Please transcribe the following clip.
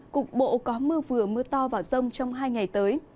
cục bộ có mưa vừa mưa to và rông trong hai ngày tới